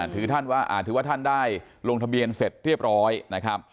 ถือว่าถือว่าท่านได้ลงทะเบียนเสร็จเรียบร้อยนะครับ